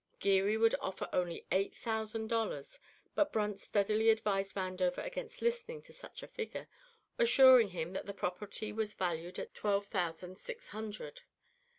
Geary would offer only eight thousand dollars, but Brunt steadily advised Vandover against listening to such a figure, assuring him that the property was valued at twelve thousand six hundred.